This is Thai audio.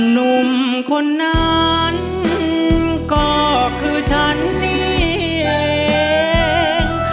หนุ่มคนนั้นก็คือฉันเอง